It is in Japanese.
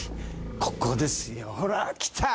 ここですよほらきた！